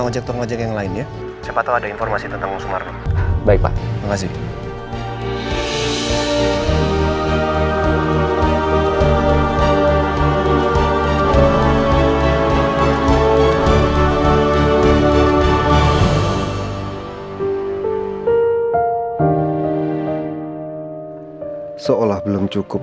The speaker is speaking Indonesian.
seolah belum cukup